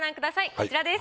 こちらです。